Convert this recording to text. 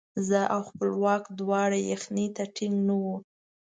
زه او خپلواک دواړه یخنۍ ته ټینګ نه وو.